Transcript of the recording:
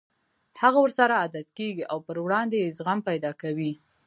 هغه ورسره عادت کېږي او پر وړاندې يې زغم پيدا کوي.